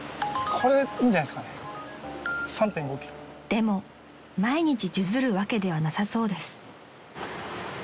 ［でも毎日数珠るわけではなさそうです］